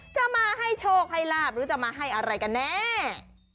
จะมาให้โชคไฮราบหรือจะมาให้อะไรกันเนี้ย